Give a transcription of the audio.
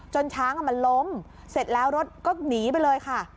ช้างมันล้มเสร็จแล้วรถก็หนีไปเลยค่ะ